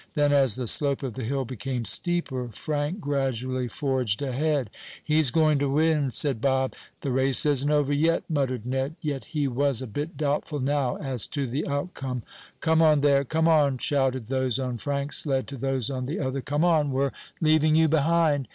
Then, as the slope of the hill became steeper, Frank gradually forged ahead. "He's going to win," said Bob. "The race isn't over yet," muttered Ned, yet he was a bit doubtful now as to the outcome. "Come on there! Come on!" shouted those on Frank's sled to those on the other. "Come on, we're leaving you behind!"